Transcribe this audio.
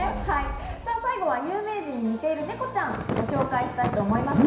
最後は有名人に似ているネコちゃん、ご紹介します。